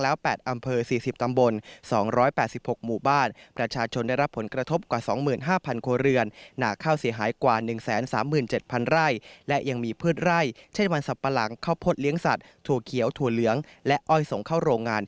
แล้ว๘อำเภอ๔๐ตำบล๒๘๖หมู่บ้าน